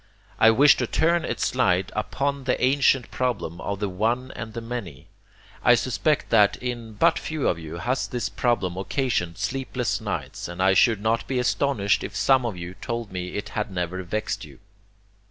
I wish to turn its light upon the ancient problem of 'the one and the many.' I suspect that in but few of you has this problem occasioned sleepless nights, and I should not be astonished if some of you told me it had never vexed you.